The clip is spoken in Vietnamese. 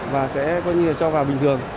và sẽ cho vào bình thường